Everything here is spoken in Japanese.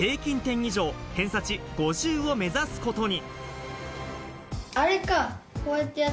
以上、偏差値５０を目指すことに。